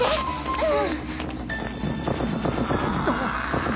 うん。